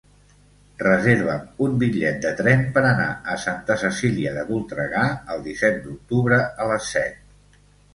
Reserva'm un bitllet de tren per anar a Santa Cecília de Voltregà el disset d'octubre a les set.